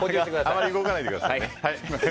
あまり動かないでくださいね。